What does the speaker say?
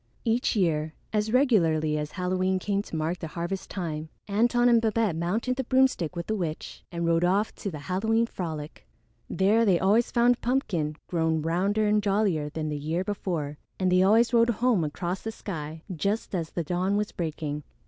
Each year, as regularly as Halloween came to mark the harvest time, Antone and Babette mounted the broomstick with the witch and rode off to the Halloween frolic. There they always found Pumpkin grown rounder and jollier than the year before, and they always rode home across the sky just as the dawn was breaking.